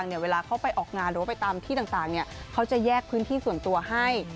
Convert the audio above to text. ซุ๊ปตาดังเวลาเขาไปออกงานหรือพี่จั๊งแต่ไมก็จะแยกพื้นที่ส่วนตัวให้